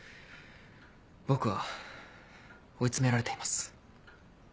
僕は追い詰められています。